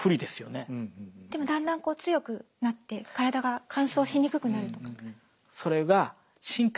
でもだんだんこう強くなって体が乾燥しにくくなるとか。